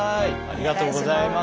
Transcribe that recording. ありがとうございます。